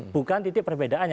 bukan titik perbedaannya